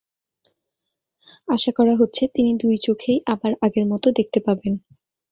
আশা করা হচ্ছে, তিনি দুই চোখেই আবার আগের মতো দেখতে পাবেন।